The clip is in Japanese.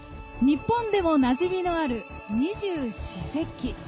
日本でもなじみのある二十四節気。